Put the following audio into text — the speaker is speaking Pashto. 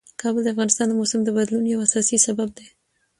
کابل د افغانستان د موسم د بدلون یو اساسي سبب دی.